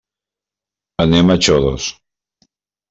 Anem a Xodos.